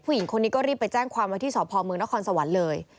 ผู้หญิงคนนี้ก็รีบไปแจ้งความว่าที่สพมนครสวรรค์เลย